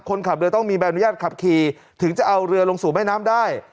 คนขับเรือต้องมีใบอนุญาตขับขี่ถึงจะเอาเรือลงสู่แม่น้ำได้